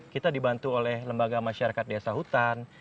kita dibantu oleh lembaga masyarakat desa hutan